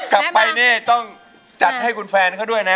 กลับไปนี่ต้องจัดให้คุณแฟนเขาด้วยนะ